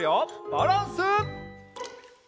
バランス。